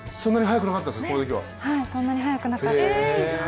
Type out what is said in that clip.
そんなに速くなかったんですか？